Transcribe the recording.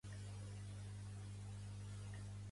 L'havia volgut oblidar i el destí novament me'l feia present.